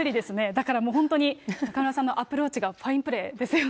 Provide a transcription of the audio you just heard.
だからもう本当に中村さんのアプローチがファインプレーですよね。